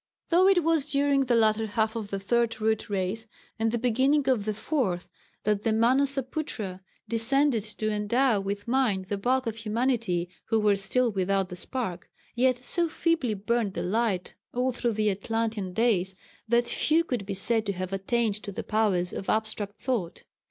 Though it was during the latter half of the Third Root Race and the beginning of the Fourth that the Manasaputra descended to endow with mind the bulk of Humanity who were still without the spark, yet so feebly burned the light all through the Atlantean days that few could be said to have attained to the powers of abstract thought.